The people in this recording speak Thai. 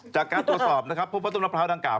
จากการตรวจสอบพวกพระต้มมะพร้าวดังกล่าว